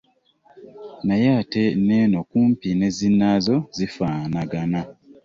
Naye ate n'eno kumpi ne zinnaazo zifaanagana.